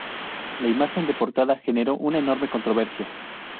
La imagen de portada generó una enorme controversia.